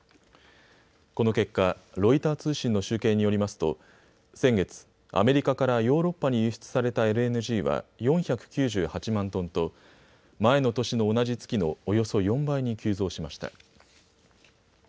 この結果、ロイター通信の集計によりますと先月、アメリカからヨーロッパに輸出されたＬＮＧは４９８万トンと前の年の同じ月のおよそ４倍に急増しました。